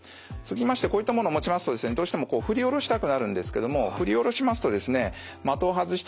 こういったものを持ちますとどうしてもこう振り下ろしたくなるんですけども振り下ろしますとですね的を外してしまったり